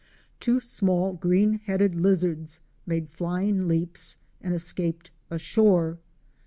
Two small green headed lizards made flying leaps and escaped ashore.